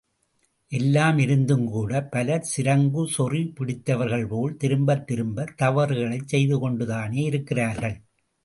எல்லாம் இருந்தும்கூடப் பலர் சிரங்குசொறி பிடித்தவர்கள்போல திரும்பத் திரும்பத் தவறுகளைச் செய்து கொண்டுதானே இருக்கிறார்கள்!